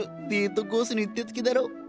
デートコースにうってつけだろ。